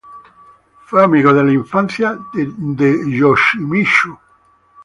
Fue amigo de la infancia de Yoshimitsu.